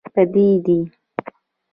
پردي دي.